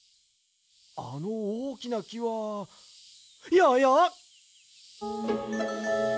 あのおおきなきはややっ！